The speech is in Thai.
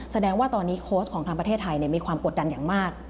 แสดงว่าตอนนี้โค้ชของทางประเทศไทยมีความกดดันอย่างมาก